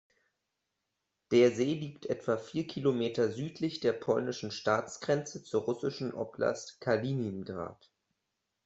Der See liegt etwa vier Kilometer südlich der polnischen Staatsgrenze zur russischen Oblast Kaliningrad.